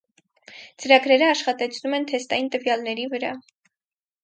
Ծրագրերը աշխատեցնում են թեստային տվյալների վրա։